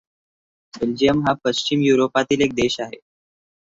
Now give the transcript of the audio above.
Belgium हा पश्चिम युरोपातील एक देश आहे.